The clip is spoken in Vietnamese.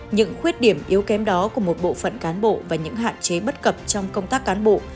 những khuyết điểm yếu kém đó của một bộ phận cán bộ và những hạn chế bất cập trong công tác cán bộ